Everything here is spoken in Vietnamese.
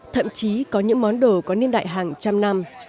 thậm chí có những món đồ có niên đại hàng trăm năm